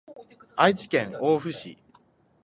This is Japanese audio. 愛知県大府市